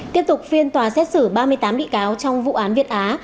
tiếp tục phiên tòa xét xử ba mươi tám bị cáo trong vụ án việt á